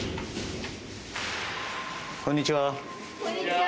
こんにちは。